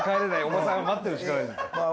おばさん待ってるしかないんだ。